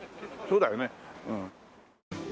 そうだよねうん。